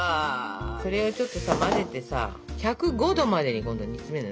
それをちょっとさ混ぜてさ１０５℃まで今度煮つめるのよ。